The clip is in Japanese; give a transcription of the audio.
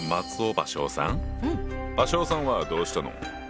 芭蕉さんはどうしたの？